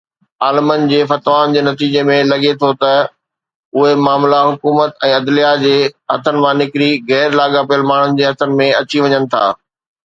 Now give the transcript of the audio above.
عالمن جي فتوائن جي نتيجي ۾ لڳي ٿو ته اهي معاملا حڪومت ۽ عدليه جي هٿن مان نڪري غير لاڳاپيل ماڻهن جي هٿن ۾ اچي وڃن ٿا.